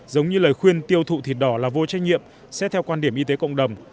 giống như lời khuyên tiêu thụ thịt đỏ là vô trách nhiệm xét theo quan điểm y tế cộng đồng